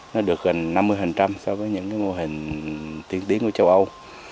nó được gần năm mươi so với những mô hình tiên tiến của châu âu